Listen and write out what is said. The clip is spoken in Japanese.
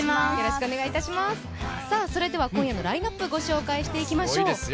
それでは今夜のラインナップ、ご紹介していきましょう。